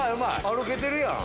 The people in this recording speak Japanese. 歩けてるやん。